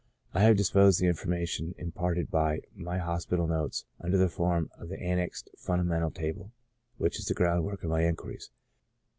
I have disposed the information imparted by my hospital notes under the form of the annexed fundamental tahle^ which is the groundwork of my inquiries.